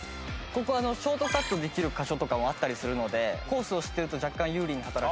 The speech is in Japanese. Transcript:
ここショートカットできる箇所とかもあったりするのでコースを知ってると若干有利に働く。